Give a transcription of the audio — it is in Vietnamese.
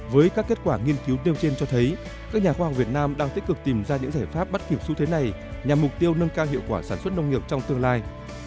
với các kết quả nghiên cứu tiêu trên cho thấy các nhà khoa học việt nam đang tích cực tìm ra những giải pháp bắt kịp xu thế này nhằm mục tiêu nâng cao hiệu quả sản xuất nông nghiệp trong tương lai